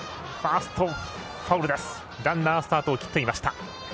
ランナーはスタートを切っていました。